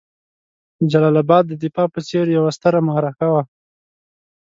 د جلال اباد د دفاع په څېر یوه ستره معرکه وه.